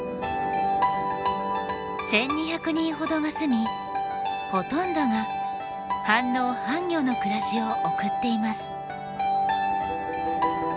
１，２００人ほどが住みほとんどが半農半漁の暮らしを送っています。